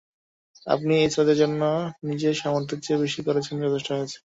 আপনি এই ছেলেদের জন্য নিজের সামর্থ্যের চেয়ে বেশি করেছেন, যথেষ্ট হয়েছে।